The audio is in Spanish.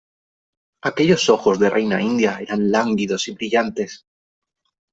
aquellos ojos de reina india eran lánguidos y brillantes :